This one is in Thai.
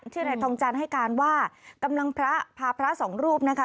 นายทองจันทร์ให้การว่ากำลังพระพาพระสองรูปนะคะ